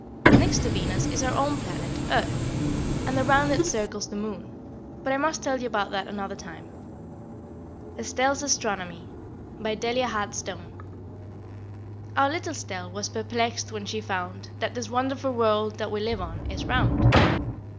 Next to Venus is our own planet, earth, and around it circles the moon, but I must tell you about that another time." [Illustration: EARTH IN SPACE.] ESTELLE'S ASTRONOMY. BY DELIA HART STONE. Our little Estelle Was perplexed when she found That this wonderful world That we live on is round.